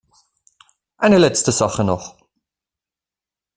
Eine letzte Sache noch.